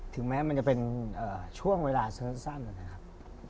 ถึงแม้มันจะเป็นช่วงเวลาสักสั้นแหละนะครับ